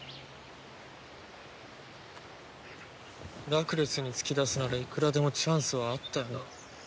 ラクレスに突き出すならいくらでもチャンスはあったよな。